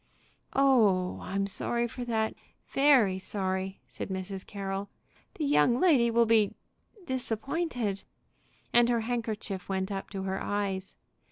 "Oh, I'm sorry for that, very sorry!" said Mrs. Carroll. "The young lady will be disappointed." And her handkerchief went up to her eyes.